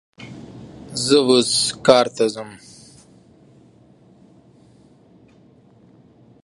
زه اوس کار ته ځم